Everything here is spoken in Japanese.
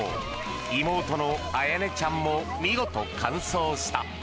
妹の文寧ちゃんも見事完走した。